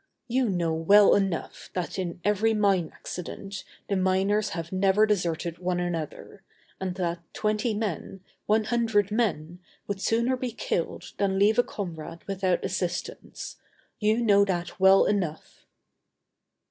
"You know well enough that in every mine accident the miners have never deserted one another, and that twenty men, one hundred men, would sooner be killed than leave a comrade without assistance. You know that well enough."